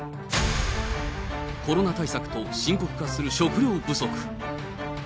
コロナ対策と深刻化する食糧不足。